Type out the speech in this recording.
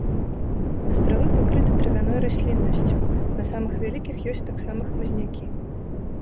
Астравы пакрыты травяной расліннасцю, на самых вялікіх ёсць таксама хмызнякі.